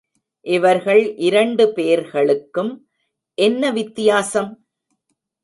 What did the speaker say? இவர்கள் இரண்டு பேர்களுக்கும் என்ன வித்தியாசம்?